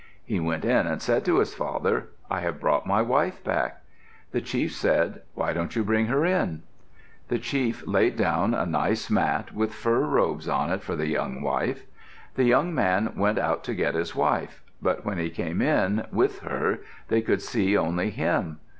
He went in and said to his father, "I have brought my wife back." The chief said, "Why don't you bring her in?" The chief laid down a nice mat with fur robes on it for the young wife. The young man went out to get his wife, but when he came in, with her, they could see only him.